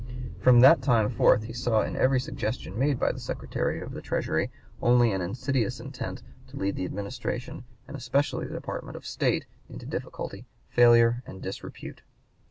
From that time forth he saw in every suggestion made by the Secretary of the Treasury only an insidious intent to lead the Administration, and especially the Department of State, into difficulty, failure, and disrepute.